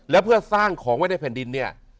แล้วเพื่อสร้างของไว้ในแผ่นดินเนี่ย